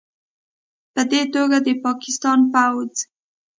پدې توګه، د پاکستان پوځ